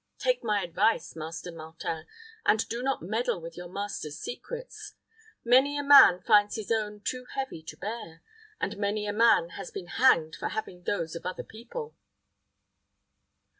Take my advice, Master Martin, and do not meddle with your master's secrets. Many a man finds his own too heavy to bear, and many a man has been hanged for having those of other people."